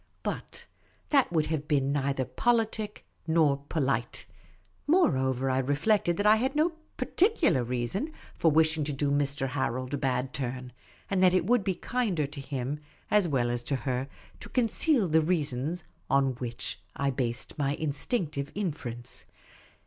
But that would have been neither polite nor politic. More over, I reflected that I had no particular reason for wishing The Supercilious Attache 39 to do Mr. Harold a bad turn ; and that it would be kinder to him, as well as to her, to conceal the reasons on which I based my instinctive inference.